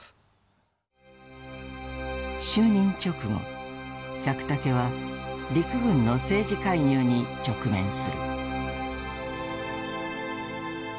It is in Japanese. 就任直後百武は陸軍の政治介入に直面する。